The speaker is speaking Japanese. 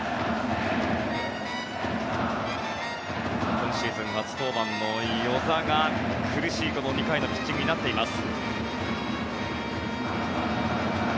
今シーズン初登板の與座が苦しい２回のピッチングになっています。